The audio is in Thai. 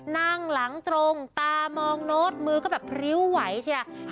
นั่งหลังตรงตามองโน้ตมือก็แบบพริ้วไหวเชีย